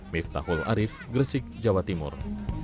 miftahul arief gresik jawa timur